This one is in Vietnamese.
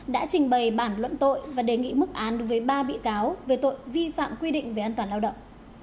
đã trình bày bản luận tội và đề nghị mức án đối với ba bị cáo về tội vi phạm quy định về an toàn lao động